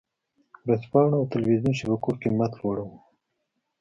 ورځپاڼو او ټلویزیون شبکو قېمت لوړ و.